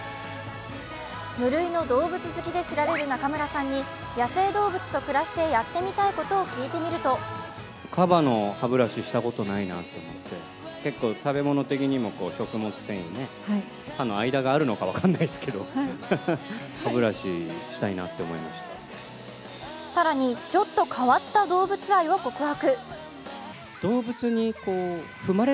無類の動物好きで知られる中村さんに野生動物と暮らしてやってみたいことを聞いてみると更に、ちょっと変わった動物愛を告白。